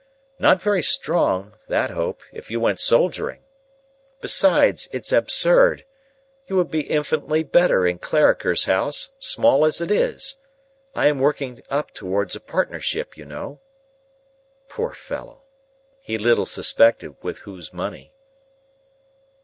Not very strong, that hope, if you went soldiering! Besides, it's absurd. You would be infinitely better in Clarriker's house, small as it is. I am working up towards a partnership, you know." Poor fellow! He little suspected with whose money.